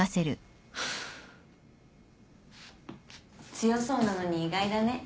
強そうなのに意外だね。